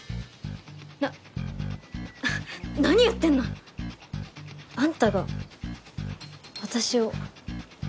な何言ってんの？あんたが私を好き？